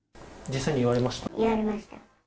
実際に言われました？